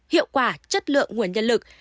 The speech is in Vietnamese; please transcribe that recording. hiệu quả chất lượng nguồn nhân lực